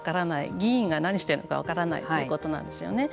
議員が何してるのか分からないということなんですよね。